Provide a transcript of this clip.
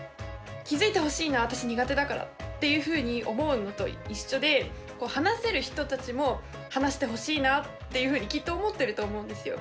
気付いてほしいの私苦手だからっていうふうに思うのと一緒で話せる人たちも話してほしいなっていうふうにきっと思ってると思うんですよ。